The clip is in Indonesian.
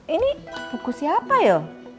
ini buku siapa ya